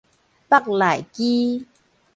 腹內肌